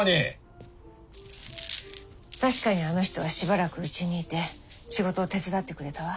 確かにあの人はしばらくうちにいて仕事を手伝ってくれたわ。